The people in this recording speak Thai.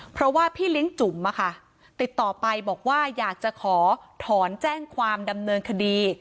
เพราะว่าพี่เลี้ยงจุ๋มติดต่อไปบอกว่าอยากจะขอถอนแจ้งความดำเนินคดี